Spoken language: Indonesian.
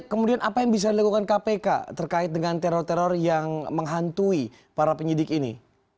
kemudian apa yang bisa dilakukan kpk terkait dengan teror teror yang menghantui para penyidik ini